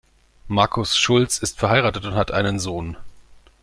Markus Schulz ist verheiratet und hat einen Sohn.